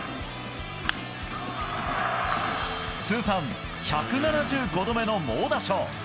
通算１７５度目の猛打賞。